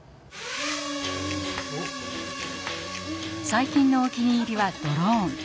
最近のお気に入りはドローン。